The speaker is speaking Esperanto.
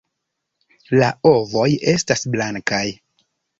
La ovoj estas blankaj.